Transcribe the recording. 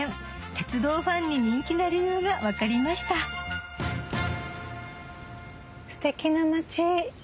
鉄道ファンに人気な理由が分かりましたステキな町。